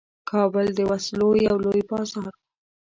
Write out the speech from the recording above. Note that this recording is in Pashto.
کابل د وسلو یو لوی بازار وو.